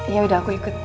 ya udah aku ikut